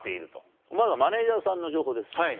まずはマネジャーさんの情報です。